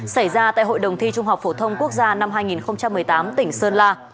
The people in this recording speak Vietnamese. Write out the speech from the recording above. xảy ra tại hội đồng thi trung học phổ thông quốc gia năm hai nghìn một mươi tám tỉnh sơn la